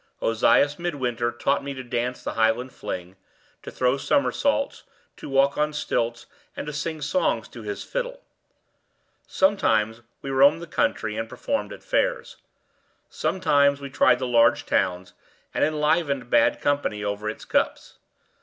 Ozias Midwinter taught me to dance the Highland fling, to throw somersaults, to walk on stilts, and to sing songs to his fiddle. Sometimes we roamed the country, and performed at fairs. Sometimes we tried the large towns, and enlivened bad company over its cups.